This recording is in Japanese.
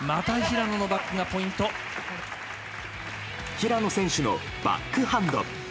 平野選手のバックハンド。